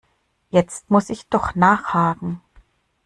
Jetzt muss ich doch nachhaken.